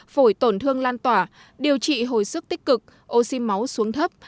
phổi tổn thương lan tỏa điều trị hồi sức tích cực oxy máu xuống thấp